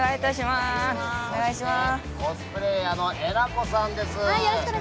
そしてコスプレイヤーのえなこさんです。